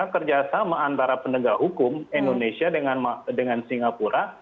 kerja sama antara penegak hukum indonesia dengan singapura